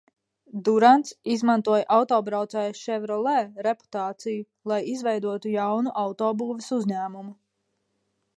Durants izmantoja autobraucēja Ševrolē reputāciju, lai izveidotu jaunu autobūves uzņēmumu.